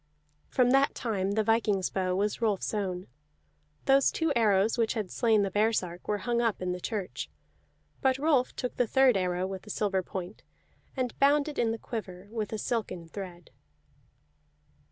From that time the viking's bow was Rolf's own. Those two arrows which had slain the baresark were hung up in the church; but Rolf took the third arrow with the silver point, and bound it in the quiver with a silken thread.